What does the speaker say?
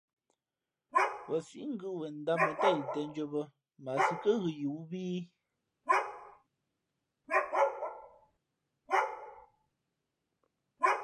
Wen sǐꞌ ngʉ̌ wenndāmα̌ ntám yī těndʉ̄ᾱ bᾱ mα a sī kάghʉ̌ yǐ wū bᾱ í ?